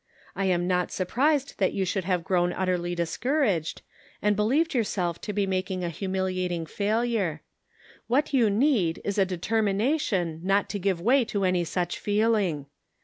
I am not surprised that you should have grown utterly discouraged, and believed 300 The Pocket Measure. yourself to be making a humiliating failure. What you need is a determination not to give way to any such feeling.